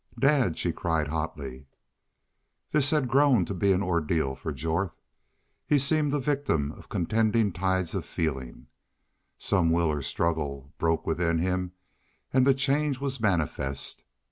"Dad!" she cried, hotly. This had grown to be an ordeal for Jorth. He seemed a victim of contending tides of feeling. Some will or struggle broke within him and the change was manifest.